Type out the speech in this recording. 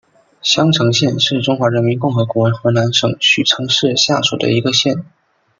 襄城县是中华人民共和国河南省许昌市下属的一个县。